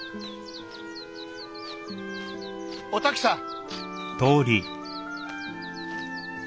お滝さん。